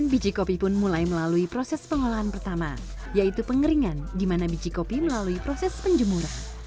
biji kopi pun mulai melalui proses pengolahan pertama yaitu pengeringan di mana biji kopi melalui proses penjemuran